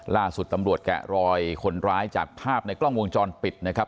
ล่าสุดตำรวจแกะรอยคนร้ายจากภาพในกล้องวงจรปิดนะครับ